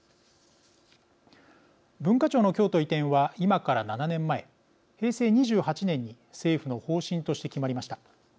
文化庁の京都移転は今から７年前、平成２８年に政府の方針として決まりました。